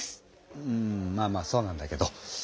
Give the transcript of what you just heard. うんまあまあそうなんだけど。